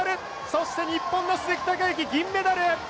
そして日本の鈴木孝幸、銀メダル。